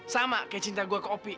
sama kayak cinta gue ke opi